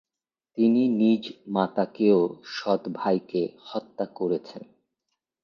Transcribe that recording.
তিনি নিজ মাতাকেও সৎভাইকে হত্যা করেছেন।